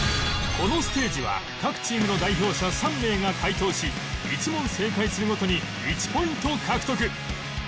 このステージは各チームの代表者３名が解答し１問正解するごとに１ポイント獲得